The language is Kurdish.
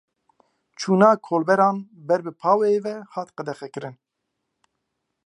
Çûna kolberan ber bi Paweyê ve hat qedexekirin.